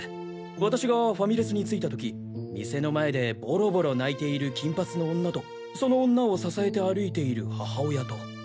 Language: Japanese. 私がファミレスに着いた時店の前でボロボロ泣いている金髪の女とその女を支えて歩いている母親と。